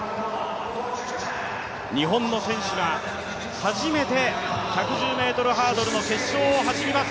日本の選手が、初めて１１０ｍハードルの決勝を走ります。